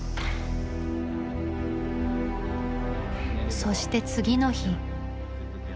そして次の日。